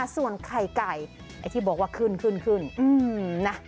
ส่วนไข่ไก่ไอ้ที่บอกว่าขึ้น